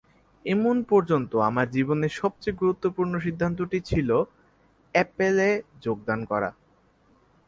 এখন পর্যন্ত আমার জীবনের সবচেয়ে গুরুত্বপূর্ণ সিদ্ধান্তটি ছিল অ্যাপলে যোগদান করা।